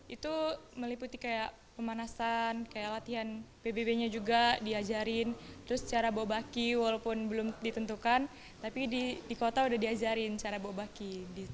itu meliputi kayak pemanasan kayak latihan pbb nya juga diajarin terus cara bawa baki walaupun belum ditentukan tapi di kota udah diajarin cara bawa baki